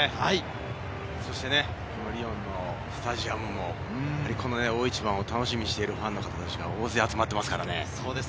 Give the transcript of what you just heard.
リヨンのスタジアムも大一番を楽しみにしているファンの方たちが大勢集まっていますからね。